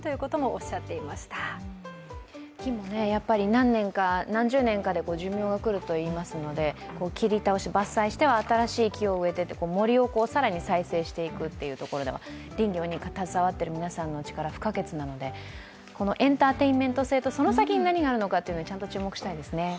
何年か、何年かで寿命が来るといいますので切り倒して、伐採しては新しい木を植えていって森をさらに再生していくということでは林業に携わっている皆さんの力不可欠なので、エンターテインメント性と、その先に何があるのかって、ちゃんと注目したいですね。